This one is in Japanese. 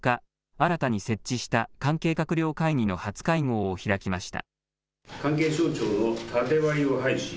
新たに設置した関係閣僚会議の初会合を開きました。